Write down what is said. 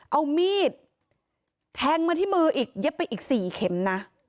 เอามีดแทงมาที่มืออีกเย็บไปอีก๔เข็มนะ